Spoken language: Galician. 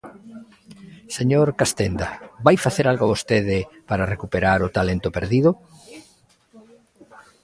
Señor Castenda, ¿vai facer algo vostede para recuperar o talento perdido?